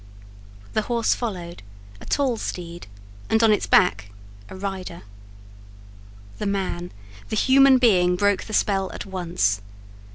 The horse followed,—a tall steed, and on its back a rider. The man, the human being, broke the spell at once.